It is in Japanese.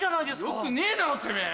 よくねえだろてめぇ！